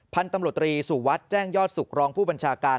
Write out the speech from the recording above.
พันธุ์ตำรวจตรีสุวัสดิ์แจ้งยอดสุขรองผู้บัญชาการ